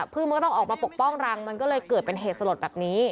มันก็ต้องออกมาปกป้องรังมันก็เลยเกิดเป็นเหตุสลดแบบนี้